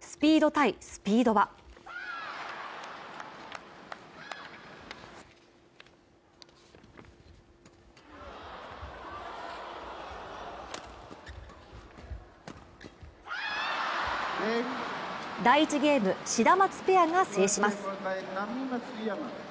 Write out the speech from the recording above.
スピード対スピードは第１ゲーム、シダマツペアが制します。